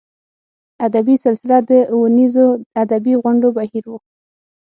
ادبي سلسله د اوونیزو ادبي غونډو بهیر و.